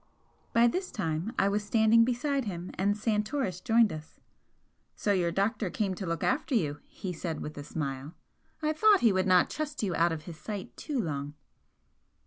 By this time I was standing beside him, and Santoris joined us. "So your doctor came to look after you," he said, with a smile "I thought he would not trust you out of his sight too long!"